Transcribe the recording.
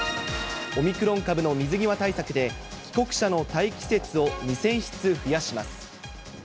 オミクロン株の水際対策で、帰国者の待機施設を２０００室増やします。